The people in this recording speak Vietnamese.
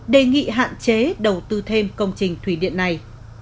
đề nghị hạn chế đầu tư thêm công trình thủy điện này